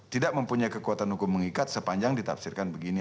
tidak mempunyai kekuatan hukum mengikat sepanjang ditafsirkan begini